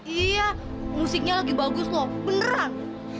iya musiknya lagi bagus loh beneran